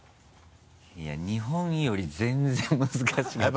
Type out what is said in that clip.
いや日本より全然難しかった。